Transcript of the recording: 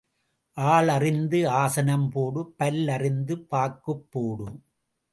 ஆள் அறிந்து ஆசனம் போடு பல் அறிந்து பாக்குப் போடு.